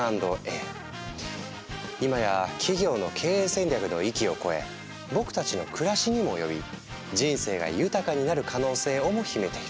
今や企業の経営戦略の域を超え僕たちの暮らしにも及び人生が豊かになる可能性をも秘めている。